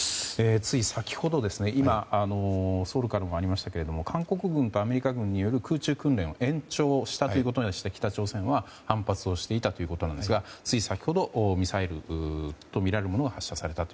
つい先ほど今、ソウルからもありましたが韓国軍とアメリカ軍による空中訓練を延長したということで北朝鮮は反発していたということですがつい先ほどミサイルとみられるものが発射されたと。